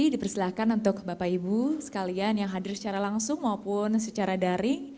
dipersilahkan untuk bapak ibu sekalian yang hadir secara langsung maupun secara daring